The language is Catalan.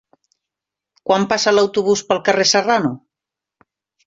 Quan passa l'autobús pel carrer Serrano?